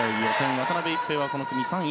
渡辺一平は、この組３位。